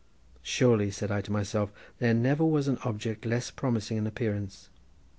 "Surely," said I to myself, "there never was an object less promising in appearance.